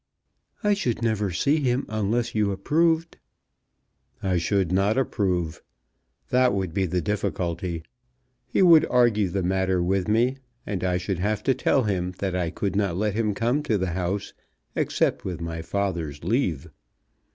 "I should never see him unless you approved." "I should not approve. That would be the difficulty. He would argue the matter with me, and I should have to tell him that I could not let him come to the house, except with my father's leave.